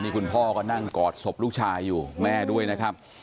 คุณพ่อก็นั่งกอดศพลูกชายอยู่แม่ด้วยนะครับ